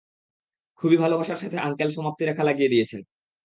খুবই ভালোবাসার সাথে আঙ্কেল সমাপ্তিরেখা লাগিয়ে দিয়েছিলেন।